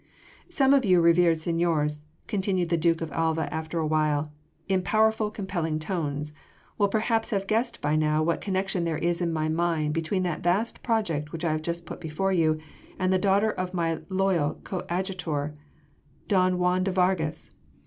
"Some of you reverend seigniors," continued the Duke of Alva after awhile, in powerful, compelling tones, "will perhaps have guessed by now, what connection there is in my mind between that vast project which I have just put before you and the daughter of my loyal coadjutor don Juan de Vargas.